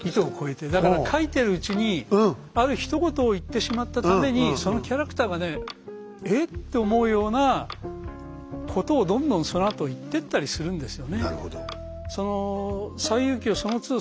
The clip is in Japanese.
だから書いてるうちにあるひと言を言ってしまったためにそのキャラクターがね「ええ？」って思うようなことをどんどんそのあと言ってったりするんですよね。